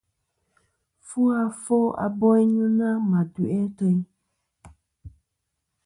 Fu afo a boynɨnɨ-a ma duʼi ateyn.